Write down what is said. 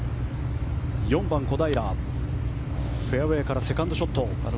４番、小平フェアウェーからセカンドショット。